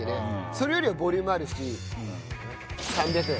それよりはボリュームあるし３００円